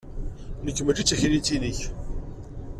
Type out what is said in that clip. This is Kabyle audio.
Nekk mačči d taklit-inek.